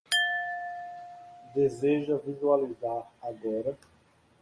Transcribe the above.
Deseja visualizar agora?